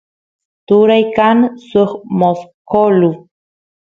turay kan suk mosqolu